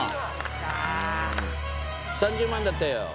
３０万だったよ。